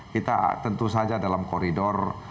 kita tentu saja dalam koridor